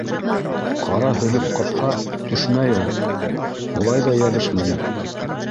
Ҡара һөлөк ҡапһа, төшмәй ул. Улай ҙа йәбешмәне.